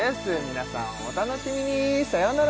皆さんお楽しみにさよなら